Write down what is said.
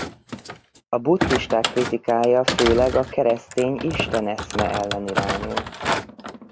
A buddhisták kritikája főleg a keresztény Isten-eszme ellen irányul.